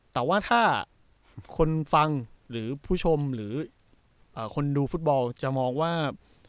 แต่ว่าถ้าคนฟังหรือผู้ชมหรือคนดูฟุตบอลจะมองว่า